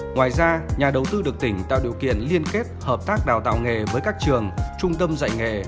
ngoài ra nhà đầu tư được tỉnh tạo điều kiện liên kết hợp tác đào tạo nghề với các trường trung tâm dạy nghề